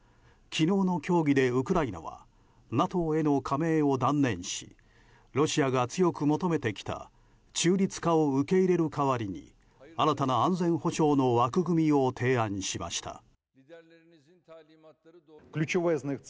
昨日の協議でウクライナはＮＡＴＯへの加盟を断念しロシアが強く求めてきた中立化を受け入れる代わりに新たな安全保障の枠組みを提案しました。